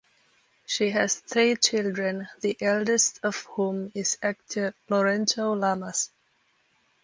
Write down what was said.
She has three children, the eldest of whom is actor Lorenzo Lamas.